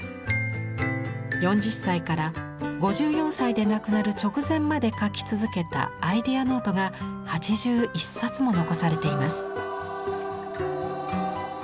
４０歳から５４歳で亡くなる直前まで描き続けたアイデアノートが８１冊も残されています。